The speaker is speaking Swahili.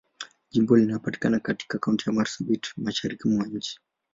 Jimbo hili linapatikana katika Kaunti ya Marsabit, Mashariki mwa nchi.